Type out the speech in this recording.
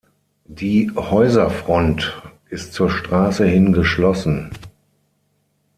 Die Häuserfront ist zur Straße hin geschlossen.